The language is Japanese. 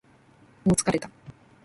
もう疲れた